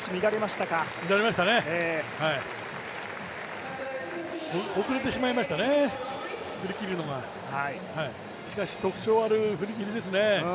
しかし、特徴ある振りきりですね。